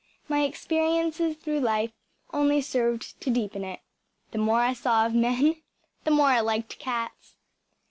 My experiences through life only served to deepen it. The more I saw of men, the more I liked cats.